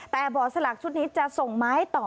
แต่บ่อสลักชุดนี้จะส่งไม้ต่อ